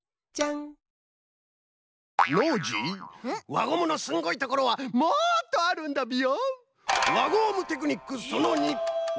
んっ？わゴムのすんごいところはもっとあるんだビヨン！